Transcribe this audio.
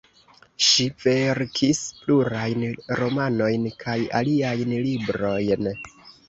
Ŝi verkis plurajn romanojn kaj aliajn librojn.